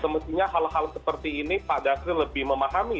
mestinya hal hal seperti ini pak dasril lebih memahami